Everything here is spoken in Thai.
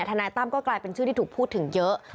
นายตั้มก็กลายเป็นชื่อที่ถูกพูดถึงเยอะ